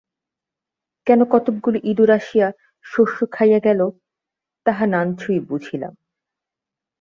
কেন কতকগুলো ইঁদুর আসিয়া শস্য খাইয়া গেল তাহা নাঞ্চই বুঝিলাম।